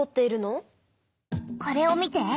これを見て。